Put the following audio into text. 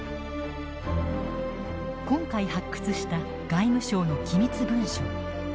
今回発掘した外務省の機密文書。